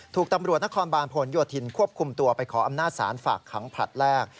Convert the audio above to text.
ถูกตำรวจนครบาลผลโยธินควบคุมตัวไปขออำนาจศาลฝากขังผลัดแรก